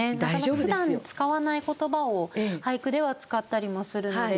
ふだん使わない言葉を俳句では使ったりもするので。